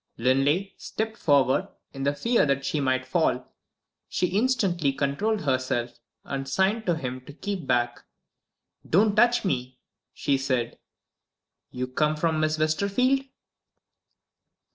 Linley stepped forward, in the fear that she might fall. She instantly controlled herself, and signed to him to keep back. "Don't touch me!" she said. "You come from Miss Westerfield!"